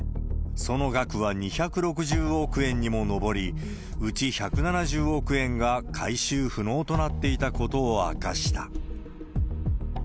その額は２６０億円にも上り、うち１７０億円が回収不能となっていたことを明かした。